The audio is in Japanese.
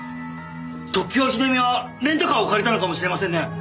常盤秀美はレンタカーを借りたのかもしれませんね。